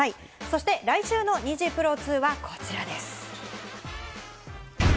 そして来週のニジプロ２は、こちらです。